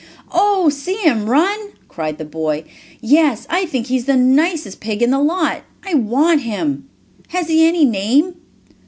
"Oh, see him run!" cried the boy. "Yes, I think he is the nicest pig in the lot. I want him. Has he any name?"